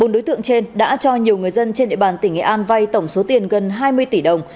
bốn đối tượng trên đã cho nhiều người dân trên địa bàn tỉnh nghệ an vay tổng số tiền gần hai mươi tỷ đồng